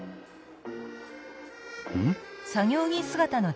うん？